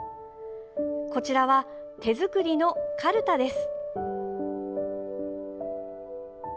こちらは、手作りのカルタです。